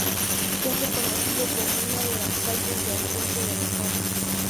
Es reconocido como unas de las calles "de ambiente" de la zona.